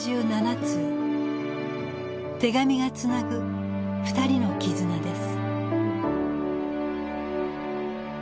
手紙がつなぐ二人の絆です。